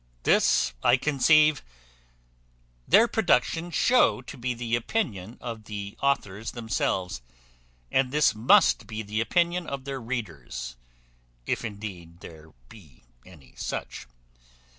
This, I conceive, their productions show to be the opinion of the authors themselves: and this must be the opinion of their readers, if indeed there be any such.